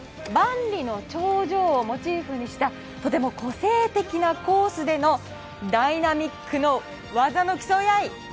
万里の長城をモチーフにしたとても個性的なコースでのダイナミックな技の競い合い。